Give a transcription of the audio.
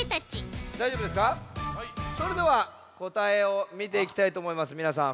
それではこたえをみていきたいとおもいますみなさん。